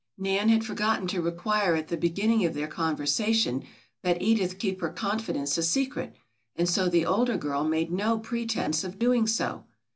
Nan had forgotten to require at the beginning of their conversation that Edith keep her confidence a secret and so the older girl made no pretence of doing so.